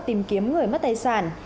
tìm kiếm người mất tài sản